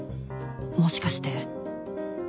もしかして